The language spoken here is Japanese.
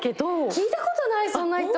聞いたことないそんな人。